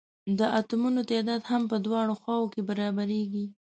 د اتومونو تعداد هم په دواړو خواؤ کې برابریږي.